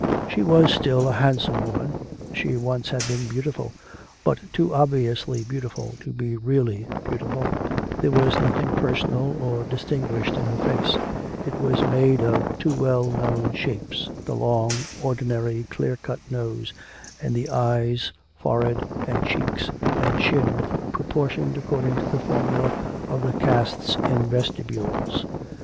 She was still a handsome woman; she once had been beautiful, but too obviously beautiful to be really beautiful; there was nothing personal or distinguished in her face; it was made of too well known shapes the long, ordinary, clear cut nose, and the eyes, forehead, cheeks, and chin proportioned according to the formula of the casts in vestibules.